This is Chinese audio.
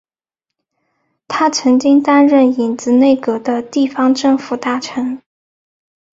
他曾经担任影子内阁的地方政府大臣。